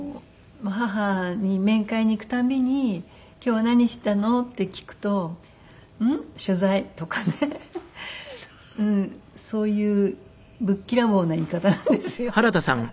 母に面会に行くたびに「今日は何したの？」って聞くと「うん？取材」とかねそういうぶっきらぼうな言い方なんですよ。